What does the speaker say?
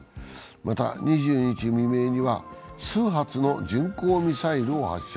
また、２２日未明には、数発の巡航ミサイルを発射。